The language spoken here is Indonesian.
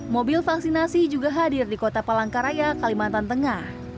mobil vaksinasi juga hadir di kota palangkaraya kalimantan tengah